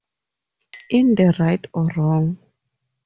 In the Right or Wrong?